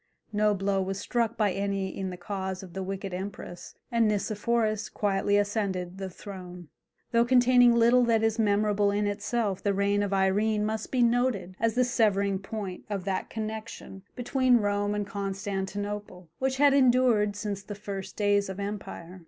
No blow was struck by any one in the cause of the wicked empress, and Nicephorus quietly ascended the throne. Details Of St. Sophia. Though containing little that is memorable in itself, the reign of Irene must be noted as the severing point of that connection between Rome and Constantinople, which had endured since the first days of empire.